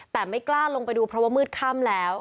แต่ไม่กล้าลงไปดูเพราะว่ามืดค่ำแล้ว